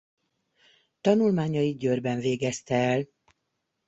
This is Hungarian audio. Tanulmányait Győrben végezte el.